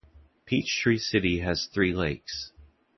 Peachtree City has three lakes.